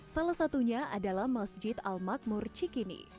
salah satunya adalah masjid al makmur cikini